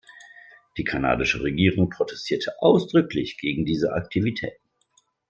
Die kanadische Regierung protestierte ausdrücklich gegen diese Aktivitäten.